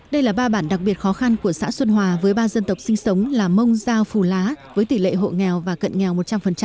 đây là ba bản đặc biệt khó khăn của xã xuân hòa với ba dân tộc sinh sống là mông giao phù lá với tỷ lệ hộ nghèo và cận nghèo một trăm linh